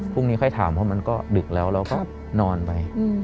ค่อยถามเพราะมันก็ดึกแล้วเราก็นอนไป